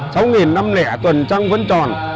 sáu nghìn năm lẻ tuần trăng vẫn tròn